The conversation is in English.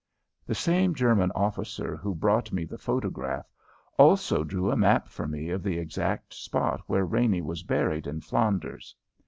The same German officer who brought me the photograph also drew a map for me of the exact spot where Raney was buried in Flanders.